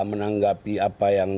menanggapi apa yang